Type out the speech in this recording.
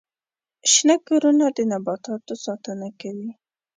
شنه کورونه د نباتاتو ساتنه کوي